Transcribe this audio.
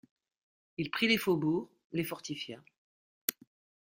Il prit les faubourgs, les fortifia.